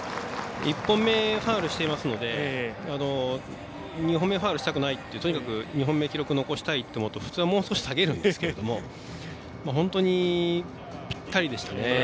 １本目ファウルしているので２本目ファウルしたくないというとにかく２本目記録残したかったら普通はもう少し下げるんですけど本当にぴったりでしたね。